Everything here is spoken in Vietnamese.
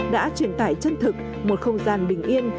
đã truyền tải chân thực một không gian bình yên